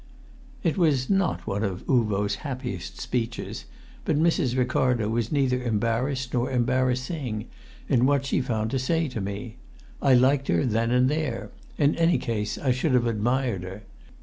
It was not one of Uvo's happiest speeches; but Mrs. Ricardo was neither embarrassed nor embarrassing in what she found to say to me. I liked her then and there: in any case I should have admired her.